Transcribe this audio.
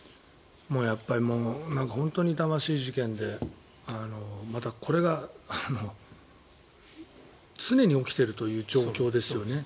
やっぱり本当に痛ましい事件でまたこれが常に起きているという状況ですよね。